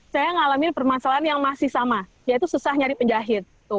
saya mengalami permasalahan yang masih sama yaitu susah nyari penjahit